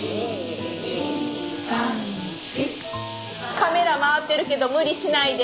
カメラ回ってるけど無理しないで。